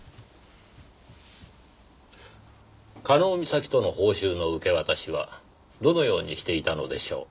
加納美咲との報酬の受け渡しはどのようにしていたのでしょう？